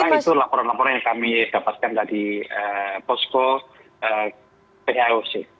itu laporan laporan yang kami dapatkan dari posko pyoc